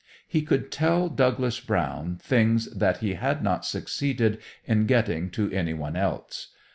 He could tell Douglas Brown things that he had not succeeded in getting to any one else.